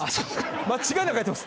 間違いなく空いてます。